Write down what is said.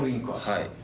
はい。